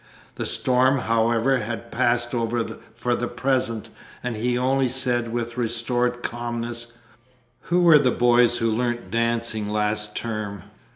The storm, however, had passed over for the present, and he only said with restored calmness, "Who were the boys who learnt dancing last term?"